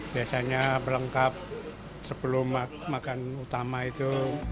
biasanya berlengkap sebelum makan utama itu